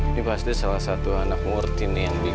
ini pasti salah satu anak ngurtin nih yang bikin